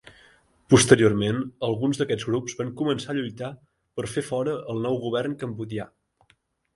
Posteriorment, alguns d'aquests grups van començar a lluitar per fer fora el nou govern cambodjà.